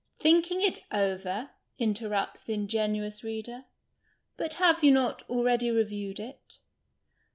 Thinking' it over ! interrupts the ingenuous reader ; but have you not already reviewed it